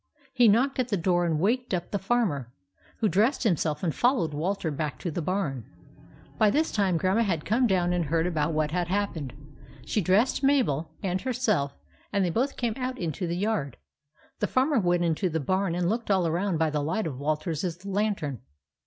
He knocked at the door and waked up the Farmer, who dressed himself and followed Walter back to the barn. By this time Grandma had come down and heard about what had happened. She dressed Mabel 54 THE ADVENTURES OF MABEL and herself, and they both came out into the yard. The Farmer went into the barn and looked all around by the light of Walter's lantern.